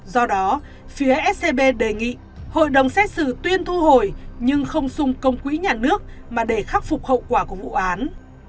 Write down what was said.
do đó phía scb đề nghị hội đồng xét xử tuyên thu hồi nhưng không sung công quỹ nhà nước mà để khắc phục hậu quả của vụ án